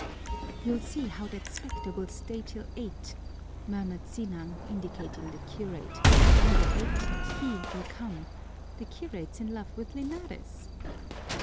"You'll see how that specter will stay till eight," murmured Sinang, indicating the curate. "And at eight he will come. The curate's in love with Linares."